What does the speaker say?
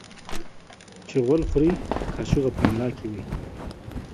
چي غول خوري ، کاچوغه په ملا کې وهي.